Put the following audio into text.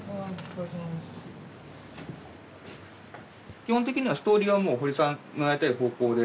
基本的にはストーリーは堀さんのやりたい方向で。